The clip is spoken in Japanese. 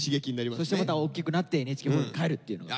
そしてまた大きくなってＮＨＫホールに帰るっていうのが目標。